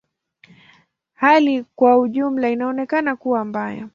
Hali kwa ujumla inaonekana kuwa mbaya.